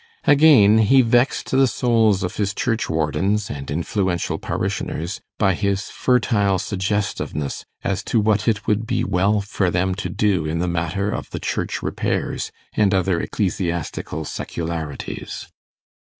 Again, he vexed the souls of his churchwardens and influential parishioners by his fertile suggestiveness as to what it would be well for them to do in the matter of the church repairs, and other ecclesiastical secularities.